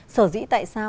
sở dĩ tại sao